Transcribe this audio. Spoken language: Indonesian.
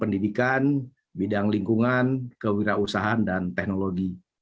pendidikan bidang lingkungan kewirausahaan dan teknologi